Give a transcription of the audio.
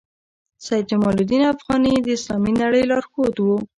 سید جمال الدین افغاني د اسلامي نړۍ لارښود وو.